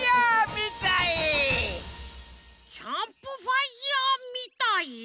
「キャンプファイヤーみたい」？